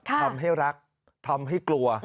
ทำให้รักทำให้กลัว